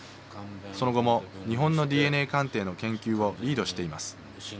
その後も日本のＤＮＡ鑑定の研究をリードしています。